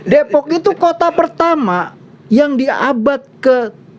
depok itu kota pertama yang di abad ke tujuh belas